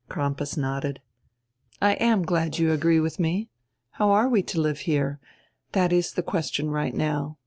Crampas nodded. "I am glad you agree with me. How are we to live here? That is the question right now.